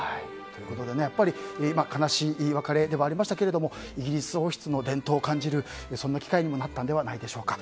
やっぱり、悲しい別れではありましたけれどもイギリス王室の伝統を感じる機会にもなったのではないでしょうか。